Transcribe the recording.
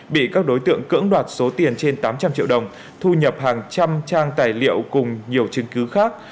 bị các đối tượng cưỡng đoạt số tiền trên tám trăm linh triệu đồng thu nhập hàng trăm trang tài liệu cùng nhiều chứng cứ khác